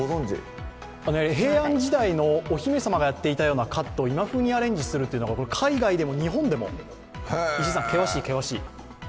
平安時代のお姫様がやっていたカットを今風にアレンジするというので海外でも、日本でも石井さん、険しい、険しい。